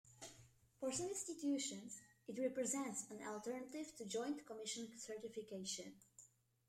For some institutions, it represents an alternative to Joint Commission certification.